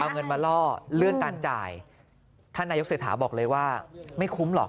เอาเงินมาล่อเลื่อนการจ่ายท่านนายกเศรษฐาบอกเลยว่าไม่คุ้มหรอก